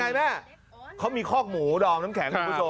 ทำยังไงแม่เขามีข้อกหมูดอ่อนน้ำแข็ง